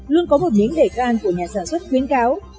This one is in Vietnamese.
luôn có một miếng đề can của nhà sản xuất khuyến cáo